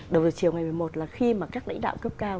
đầu giờ chiều ngày một mươi một là khi mà các lãnh đạo cấp cao